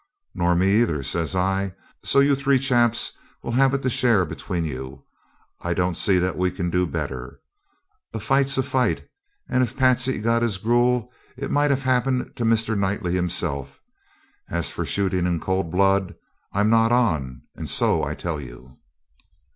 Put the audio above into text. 'Nor me either,' says I. 'So you three chaps will have it to share between you. I don't see that we can do better. A fight's a fight, and if Patsey got his gruel it might have happened to Mr. Knightley himself. As for shooting in cold blood, I'm not on, and so I tell you.'